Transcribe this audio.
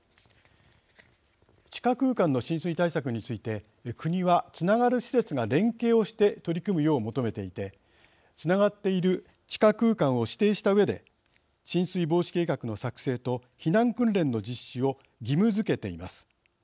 地下空間の浸水対策について国はつながる施設が連携をして取り組むよう求めていてつながっている地下空間を指定したうえで浸水防止計画の作成と避難訓練の実施を義務づけています。